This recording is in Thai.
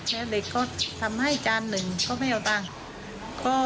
แล้วเด็กก็ทำให้จานหนึ่งเขาไม่เอาตังค์